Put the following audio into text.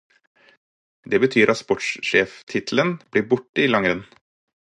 Det betyr at sportssjeftittelen blir borte i langrenn.